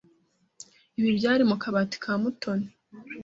Ibi byari mu kabati ka Mutoni.